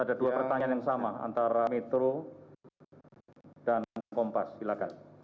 ada dua pertanyaan yang sama antara metro dan kompas silakan